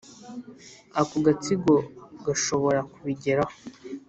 ako gatsiko gashobora kubigeraho,